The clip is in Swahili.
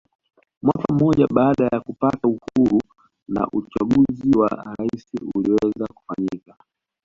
Mwaka mmoja baada ya kupata uhuru na uchaguzi wa urais uliweza kufanyika